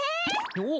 おっ！